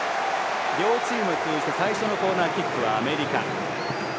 両チーム通じて最初のコーナーキックはアメリカ。